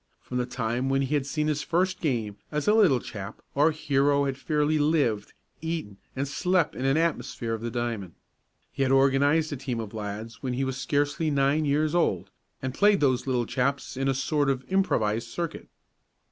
From the time when he had seen his first game, as a little chap, our hero had fairly lived, eaten and slept in an atmosphere of the diamond. He had organized a team of lads when he was scarcely nine years old, and played those little chaps in a sort of improvised circuit.